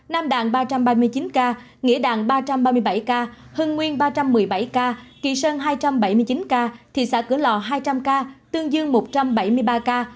nam đàn ba trăm ba mươi chín ca nghĩa đàn ba trăm ba mươi bảy ca hưng nguyên ba trăm một mươi bảy ca kỳ sơn hai trăm bảy mươi chín ca thị xã cửa lò hai trăm linh ca tương dương một trăm bảy mươi ba ca